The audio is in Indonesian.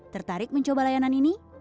tertarik mencoba layanan ini